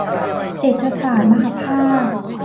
เศรษฐศาสตร์มหภาค